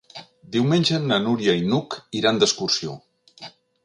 Diumenge na Núria i n'Hug iran d'excursió.